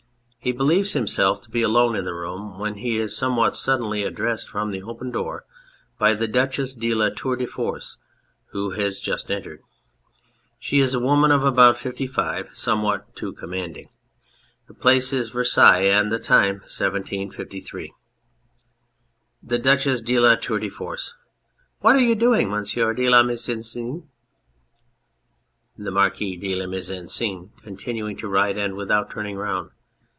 He believes him self to be alone in the room, when he is somewhat suddenly addressed from the open door by the Duchess DE LA TOUR DE FORCED who has just entered. <S'//<? is a woman of about 55, somewhat too commanding. The place is Versailles, and the time is 1753.) THE DUCHESS DE LA TOUR DE FORCE. What are you doing, Monsieur de la Mise en Scene ? THE MARQUIS DE LA MISE EN SCENE (continuing to write and without turning round).